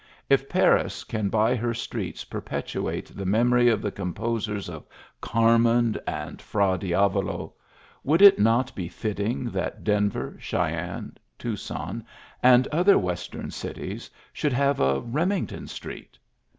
If Paris can by her streets perpetuate the memory of the composers of Carmen and Fra Dtavolo, would it not be fitting that Denver, Cheyenne, Tucson, and other western cities, should have a Remington street?